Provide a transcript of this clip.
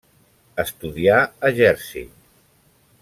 Estudià a Jersey.